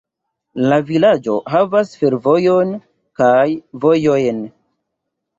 La vilaĝo havas fervojon kaj vojojn.